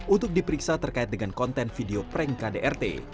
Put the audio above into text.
untuk diperiksa terkait dengan konten video prank kdrt